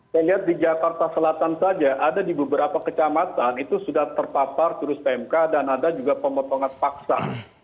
saya lihat di jakarta selatan saja ada di beberapa kecamatan itu sudah terpapar virus pmk dan ada juga pemotongan paksa